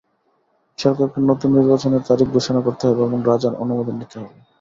সরকারকে নতুন নির্বাচনের তারিখ ঘোষণা করতে হবে এবং রাজার অনুমোদন নিতে হবে।